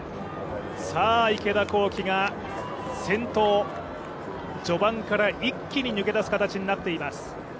池田向希が先頭、序盤から一気に抜け出す形になっています。